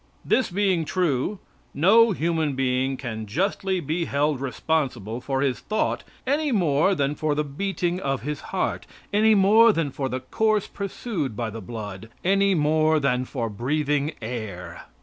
This being true, no human being can justly be held responsible for his thought any more than for the beating of his heart, any more than for the course pursued by the blood, any more than for breathing air.